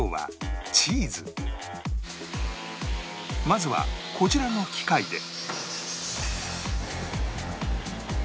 まずはこちらの機械で